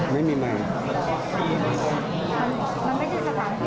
มีไหมไม่มีไหม